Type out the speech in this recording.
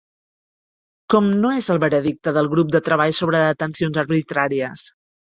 Com no és el veredicte del Grup de Treball sobre Detencions Arbitràries?